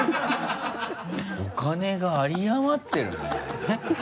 お金が有り余ってるね。